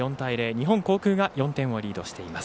日本航空が４点をリードしています。